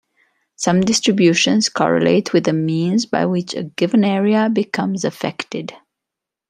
Some distributions correlate with the means by which a given area becomes affected.